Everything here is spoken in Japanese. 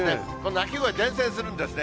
泣き声伝染するんですね。